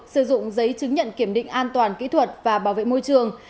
sử dụng giấy chứng nhận kiểm định an toàn kỹ thuật và bảo vệ môi trường